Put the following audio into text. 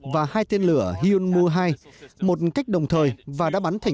và hai tên lửa hyunmoo hai một cách đồng thời và đã bắn thành công